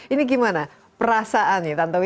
ini gimana perasaannya tantowi